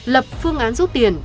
lập phương án rút tiền